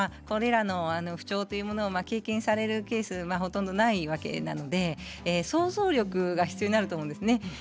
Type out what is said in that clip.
これらの不調を経験されるケースはほとんどないわけなので想像力が必要になると思うんです。